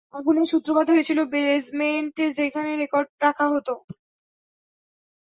আগুনের সূত্রপাত হয়েছিল বেজমেন্টে যেখানে রেকর্ড রাখা হতো।